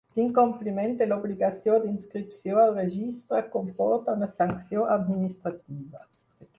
L'incompliment de l'obligació d'inscripció al registre comporta una sanció administrativa.